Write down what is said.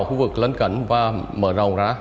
khu vực lân cận và mở rộng ra